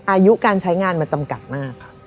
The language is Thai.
อายุการใช้งานมันจำกัดมากค่ะ